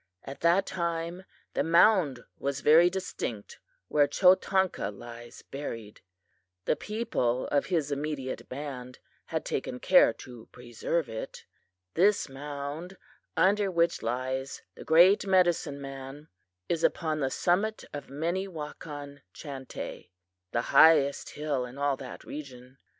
At that time the mound was very distinct where Chotanka lies buried. The people of his immediate band had taken care to preserve it. "This mound under which lies the great medicine man is upon the summit of Minnewakan Chantay, the highest hill in all that region.